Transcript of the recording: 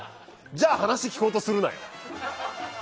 じゃあ話聞こうとするなよ！